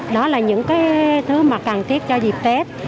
đó là những cái thứ mà cần thiết cho dịp tết